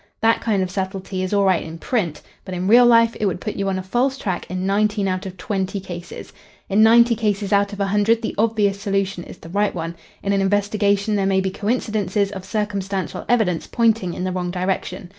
That kind of subtlety is all right in print, but in real life it would put you on a false track in nineteen out of twenty cases. In ninety cases out of a hundred the obvious solution is the right one. In an investigation there may be coincidences of circumstantial evidence pointing in the wrong direction.